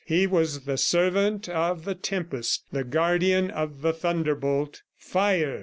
He was the servant of the tempest, the guardian of the thunderbolt. "Fire!"